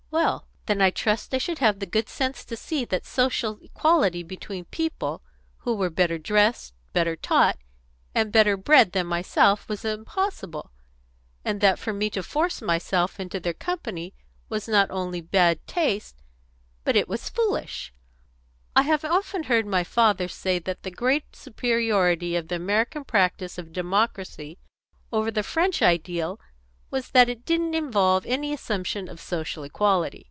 "Well, then, I trust I should have the good sense to see that social equality between people who were better dressed, better taught, and better bred than myself was impossible, and that for me to force myself into their company was not only bad taste, but it was foolish, I have often heard my father say that the great superiority of the American practice of democracy over the French ideal was that it didn't involve any assumption of social equality.